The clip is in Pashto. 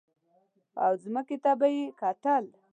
او ځمکې ته به یې کتل.